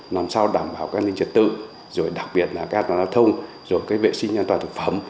làm sao đảm bảo các linh trật tự rồi đặc biệt là các đoàn đoàn thông rồi các vệ sinh an toàn thực phẩm